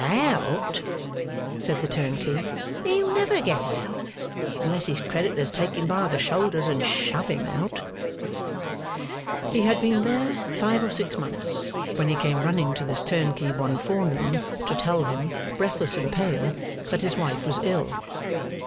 'Out?' said the turnkey, 'he'll never get out, unless his creditors take him by the shoulders and shove him out.' He had been there five or six months, when he came running to this turnkey one forenoon to tell him, breathless and pale, that his wife was ill.